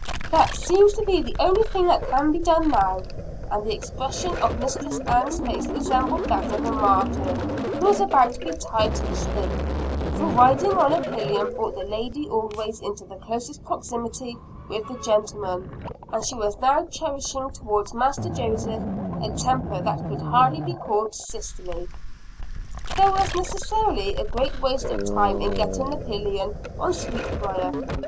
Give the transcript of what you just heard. "That seems to be the only thing that can be done now," and the expression of Mistress Ann's face resembled that of a martyr who was about to be tied to the stake; for riding on a pillion brought the lady always into the closest proximity with the gentleman, and she was now cherishing towards Master Joseph a temper that could hardly be called sisterly. There was necessarily a great waste of time in getting the pillion on Sweetbriar.